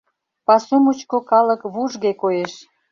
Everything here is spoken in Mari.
Пасу мучко калык вужге коеш.